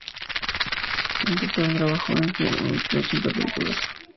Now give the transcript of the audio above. En total trabajó en más de ochenta películas.